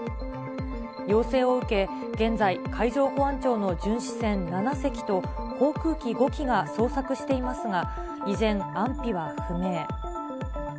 要請を受け、現在、海上保安庁巡視船７隻と、航空機５機が捜索していますが、依然、安否は不明。